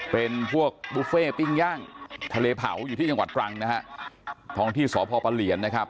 เป็นพวกบุฟเฟ่ปิ้งย่างทะเลเผาอยู่ที่จังหวัดตรังนะฮะท้องที่สพปะเหลียนนะครับ